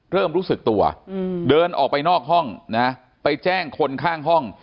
เริ่มรู้สึกตัวเดินออกไปนอกห้องนะไปแจ้งคนข้างห้อง